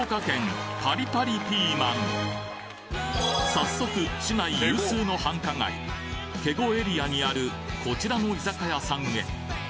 早速市内有数の繁華街警固エリアにあるこちらの居酒屋さんへ